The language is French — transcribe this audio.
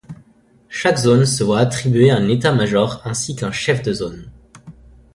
Chaque zone se voit attribuée un État-major ainsi qu'un chef de zone.